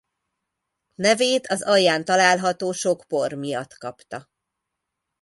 Nevét az alján található sok por miatt kapta.